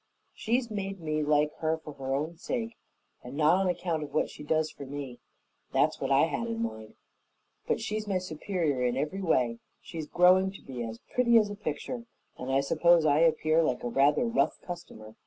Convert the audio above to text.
She's made me like her for her own sake and not on account of what she does for me, and that's what I had in mind. But she's my superior in every way; she's growing to be a pretty as a picture, and I suppose I appear like a rather rough customer.